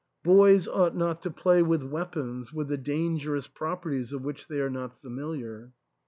Boys ought not to play with weapons with the dangerous properties of which they are not familiar.